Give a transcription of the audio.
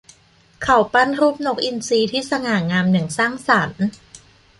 เขาปั้นรูปนกอินทรีที่สง่างามอย่างสร้างสรรค์